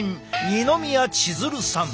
二宮千鶴さん。